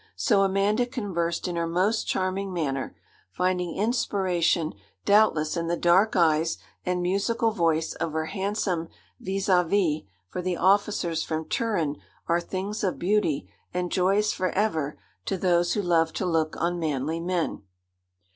So Amanda conversed in her most charming manner, finding inspiration doubtless in the dark eyes and musical voice of her handsome vis à vis, for the officers from Turin are things of beauty and joys for ever to those who love to look on manly men.